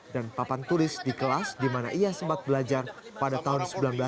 dan papan tulis di kelas di mana ia sempat belajar pada tahun seribu sembilan ratus tujuh puluh silam